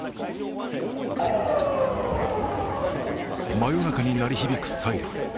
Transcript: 真夜中に鳴り響くサイレン。